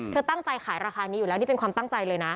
เธอตั้งใจขายราคานี้อยู่แล้วนี่เป็นความตั้งใจเลยนะ